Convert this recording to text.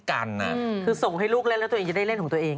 คือส่งให้ลูกเล่นแล้วตัวเองจะได้เล่นของตัวเอง